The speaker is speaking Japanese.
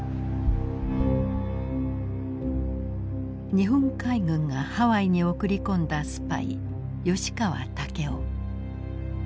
日本海軍がハワイに送り込んだスパイ吉川猛夫。